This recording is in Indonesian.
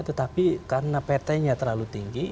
tetapi karena pt nya terlalu tinggi